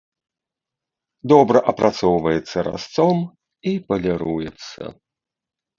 Добра апрацоўваецца разцом і паліруецца.